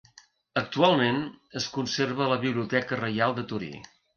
Actualment, es conserva a la biblioteca Reial de Torí.